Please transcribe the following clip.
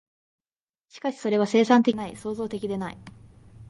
しかしそれは生産的でない、創造的でない。